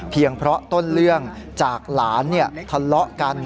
เพราะต้นเรื่องจากหลานทะเลาะกัน